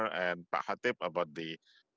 dan pak hatip tentang